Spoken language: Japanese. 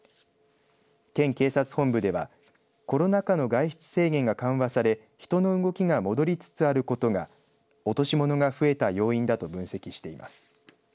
県警察本部ではコロナ禍の外出制限が緩和され人の動きが戻りつつあることが落とし物が増えた要因だと分析しています。